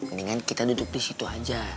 mendingan kita duduk di situ aja